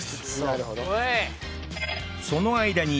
なるほど。